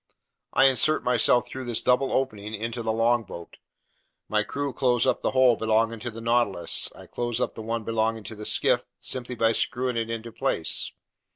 I insert myself through this double opening into the longboat. My crew close up the hole belonging to the Nautilus; I close up the one belonging to the skiff, simply by screwing it into place.